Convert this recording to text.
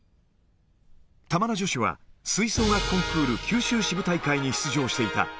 玉名女子は、吹奏楽コンクール九州支部大会に出場していた。